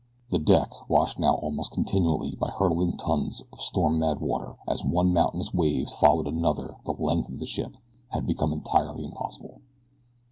The deck, washed now almost continuously by hurtling tons of storm mad water, as one mountainous wave followed another the length of the ship, had become entirely impossible.